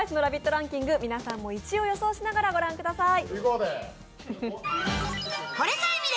ランキング、皆さんも１位を予想しながら御覧ください。